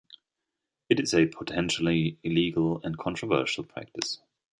It is a potentially illegal and controversial practice.